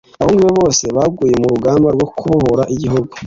Abahungu be bose baguye mu rugamba rwo kubohora igihugu